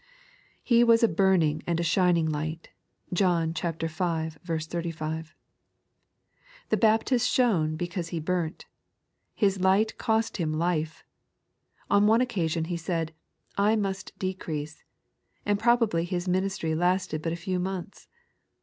" He teat a burning and a ahining Ught " (John v. 35), The Baptist shone because he burnt. His Ught cost him life. On one occasion he said, " I must decrease "; and probably his ministry lasted but a few months.